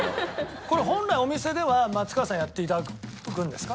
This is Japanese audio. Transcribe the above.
これ本来お店では松川さんやって頂くんですか？